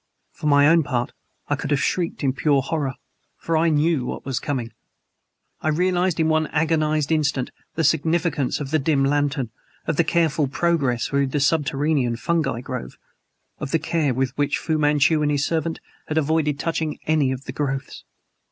For my own part, I could have shrieked in pure horror. FOR I KNEW WHAT WAS COMING. I realized in one agonized instant the significance of the dim lantern, of the careful progress through the subterranean fungi grove, of the care with which Fu Manchu and his servant had avoided touching any of the growths.